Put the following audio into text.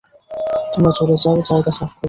তোমরা চলে যাও, যায়গা সাফ করো!